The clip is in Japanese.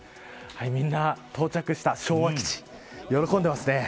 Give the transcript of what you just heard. みんな到着した昭和基地喜んでますね。